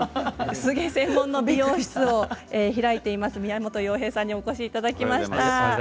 薄毛専門の美容室を開いている美容師の宮本洋平さんにお越しいただきました。